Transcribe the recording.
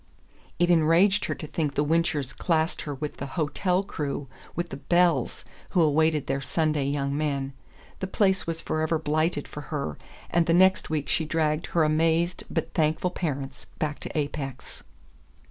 It enraged her to think that the Winchers classed her with the "hotel crew" with the "belles" who awaited their Sunday young men. The place was forever blighted for her, and the next week she dragged her amazed but thankful parents back to Apex.